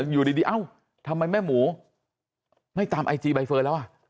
อยู่ดีเอ้าทำไมแม่หมูไม่ตามไอจีใบเฟิร์นแล้วอ่ะ